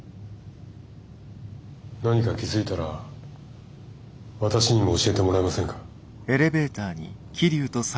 何か気付いたら私にも教えてもらえませんか？